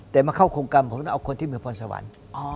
แต่มาเข้าโครงการผมต้องเอาคนที่เมืองพรสวรรค์